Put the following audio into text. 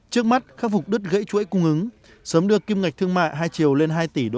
trước mắt khắc phục đứt gãy chuỗi cung ứng sớm đưa kim ngạch thương mại hai triệu lên hai tỷ usd